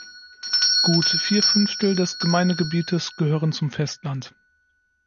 Gut vier Fünftel des Gemeindegebietes gehören zum Festland.